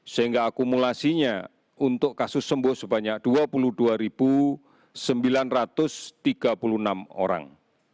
seribu dua puluh tujuh sehingga akumulasinya untuk kasus sembuh sebanyak dua puluh dua sembilan ratus tiga puluh enam orang